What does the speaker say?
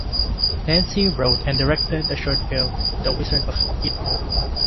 Nancy wrote and directed the short film "The Wizard of Id".